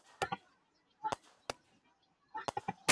该物种的模式产地在西伯利亚达乌尔地区。